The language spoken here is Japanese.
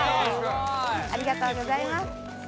ありがとうございます。